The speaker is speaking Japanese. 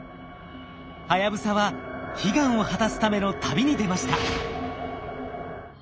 はやぶさは悲願を果たすための旅に出ました。